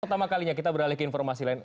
pertama kalinya kita beralih ke informasi lain